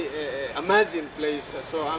tempat yang sangat luar biasa